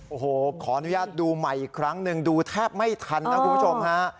โอ้โหขออนุญาตดูใหม่อีกครั้งหนึ่งดูแทบไม่ทันนะคุณผู้ชมฮะ